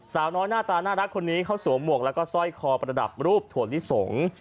สาวน้อยหน้าตาน่ารักคนนี้เขาสวมหมวกแล้วก็สร้อยคอประดับรูปถั่วลิสง